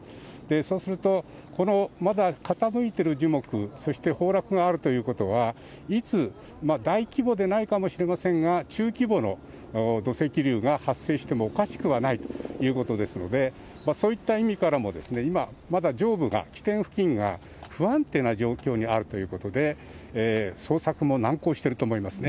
そうすると、このまだ傾いてる樹木、そして崩落があるということは、いつ、大規模でないかもしれませんが、中規模の土石流が発生してもおかしくはないということですので、そういった意味からも、今、まだ上部が、起点付近が不安定な状況にあるということで、捜索も難航してると思いますね。